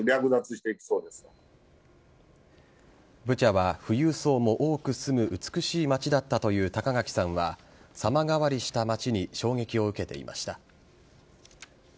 ブチャは富裕層も多く住む美しい町だったという高垣さんは様変わりした町に衝撃を受けていました。